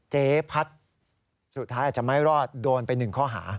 เจ๊พัดสุดท้ายอาจจะไม่รอดโดนไป๑ข้อหา